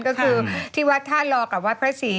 ก็คือที่วัดท่าลอกับวัดพระศรี